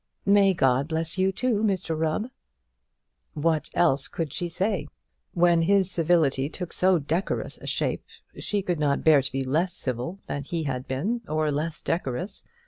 "May God bless you, too, Mr Rubb!" What else could she say? When his civility took so decorous a shape, she could not bear to be less civil than he had been, or less decorous.